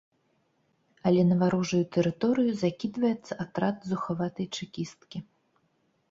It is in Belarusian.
Але на варожую тэрыторыю закідваецца атрад зухаватай чэкісткі.